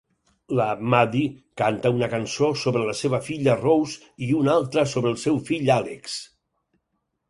La Maddy canta una cançó sobre la seva filla Rose i una altra sobre el seu fill Alex.